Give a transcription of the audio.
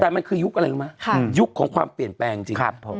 แต่มันคือยุคอะไรรู้ไหมยุคของความเปลี่ยนแปลงจริง